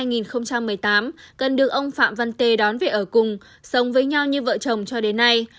năm hai nghìn một mươi tám gần được ông phạm văn tê đón về ở cùng sống với nhau như vợ chồng cho đến nay